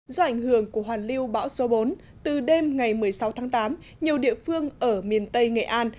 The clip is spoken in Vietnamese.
do ảnh hưởng của hoàn lưu bão số bốn từ đêm ngày một mươi sáu tháng tám nhiều địa phương ở miền tây nghệ an